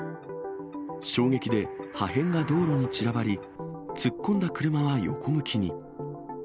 衝撃で、破片が道路に散らばり、突っ込んだ車は横向きに。